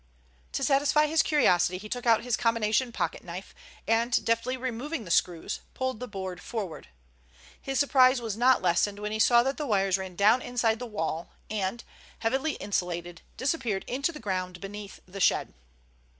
To satisfy his curiosity he took out his combination pocket knife, and deftly removing the screws, pulled the board forward. His surprise was not lessened when he saw that the wires ran down inside the wall and, heavily insulated, disappeared into the ground beneath the shed.